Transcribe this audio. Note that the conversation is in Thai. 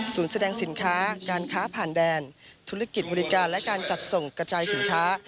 แสดงสินค้าการค้าผ่านแดนธุรกิจบริการและการจัดส่งกระจายสินค้า